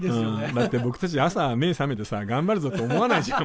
だって僕たち朝目覚めてさ頑張るぞって思わないじゃん